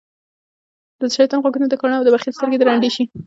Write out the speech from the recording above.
دشيطان غوږونه دکاڼه او دبخیل سترګی د ړندی شی